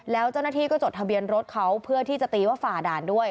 แล้วเจ้าหน้าที่ก็จดทะเบียนรถเขาเพื่อที่จะตีว่าฝ่าด่านด้วย